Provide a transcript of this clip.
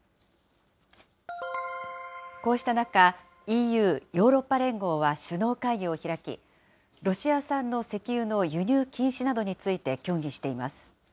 こうした中、ＥＵ・ヨーロッパ連合は首脳会議を開き、ロシア産の石油の輸入禁止などについて協議しています。